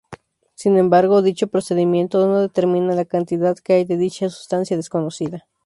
Sin embargo, dicho procedimiento no determina la cantidad que hay de dicha sustancia desconocida.